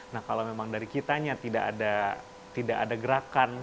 nah kalau memang dari kitanya tidak ada gerakan